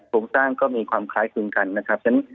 โครงสร้างก็มีความคล้ายคลึงกันนะครับ